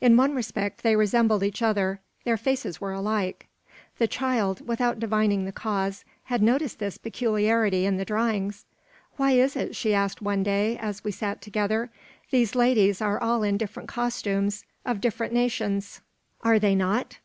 In one respect they resembled each other: their faces were alike. The child, without divining the cause, had noticed this peculiarity in the drawings. "Why is it?" she asked one day, as we sat together. "These ladies are all in different costumes, of different nations; are they not?